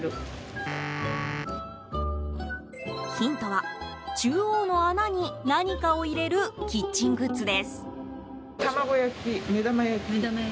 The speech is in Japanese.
ヒントは中央の穴に何かを入れるキッチングッズです。